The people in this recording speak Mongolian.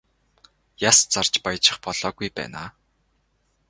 Яс зарж баяжих болоогүй байна аа.